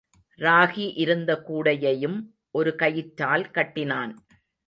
ராகி இருந்த கூடையையும் ஒரு கயிற்றால் கட்டினான்.